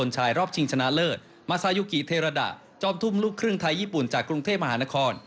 จอมทุ่มลูกครึ่งไทยญี่ปุ่นจากกรุงเทพฯมหานคร